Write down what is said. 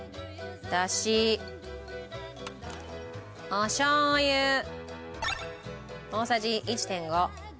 おしょう油大さじ１．５。